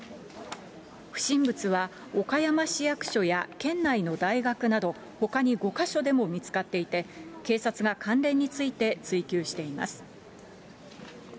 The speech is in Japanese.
不審物は岡山市役所や県内の大学などほかに５か所で見つかっていて、警察が関連について追及しています。